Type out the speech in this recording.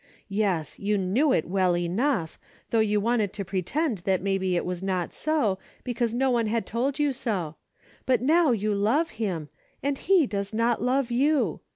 Yes, you knew it well enough, though you wanted to pretend that maybe it was not so, because no one had told you so. But now you love him and he does not love you